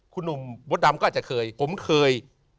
คุณหนุ่มมดดำก็อาจจะเคยผมเคย